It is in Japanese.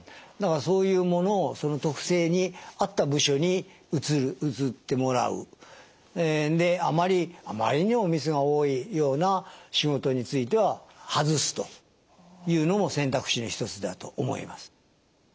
だからそういうものをその特性に合った部署に移ってもらうあまりにもミスが多いような仕事についてははずすというのも選択肢の一つだと思います。